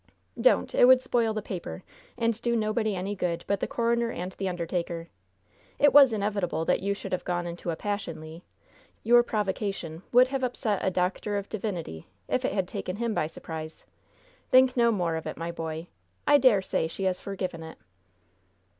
"Don't! It would spoil the paper, and do nobody any good but the coroner and the undertaker! It was inevitable that you should have gone into a passion, Le! Your provocation would have upset a doctor of divinity, if it had taken him by surprise. Think no more of it, my boy! I dare say she has forgiven it!"